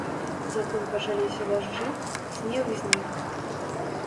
Затым пачаліся дажджы, снег знік.